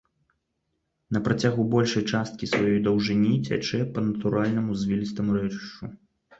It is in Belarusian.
На працягу большай часткі сваёй даўжыні цячэ па натуральнаму звілістаму рэчышчу.